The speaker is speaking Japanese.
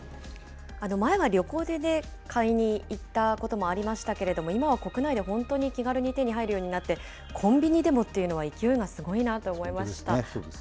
前は旅行でね、買いに行ったこともありましたけれども、今は国内で本当に気軽に手に入るようになって、コンビニでもっていうのは、勢いがすごいなと思いました。